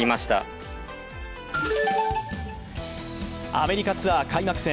アメリカツアー開幕戦。